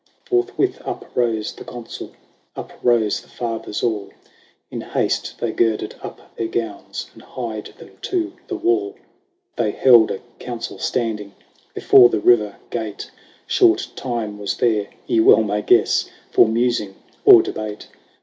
Forthwith up rose the Consul, Up rose the Fathers all ; In haste they girded up their gowns. And hied them to the wall. XIX. They held a council standing Before the River Gate ; Short time was there, ye well may guess. For musing or debate.